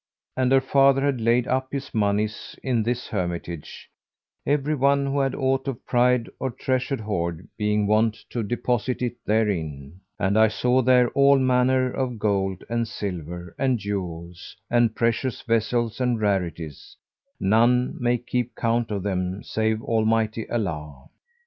And her father had laid up his monies in this hermitage, every one who had aught of price or treasured hoard being wont to deposit it therein; and I saw there all manner of gold and silver and jewels and precious vessels and rarities, none may keep count of them save Almighty Allah.